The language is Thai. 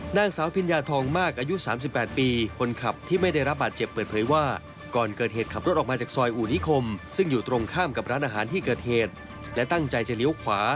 นางสาวพิญญาทองมากอายุ๓๘ปี